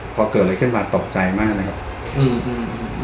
พอเกิดอะไรขึ้นมาตกใจมากนะครับอืม